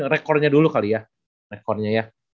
rekornya dulu kali ya